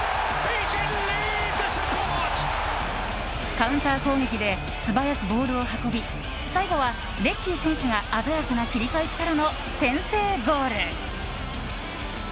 カウンター攻撃で素早くボールを運び最後はレッキー選手が鮮やかな切り返しからの先制ゴール！